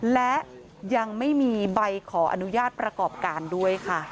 และยังไม่มีใบขออนุญาตประกอบการด้วยค่ะ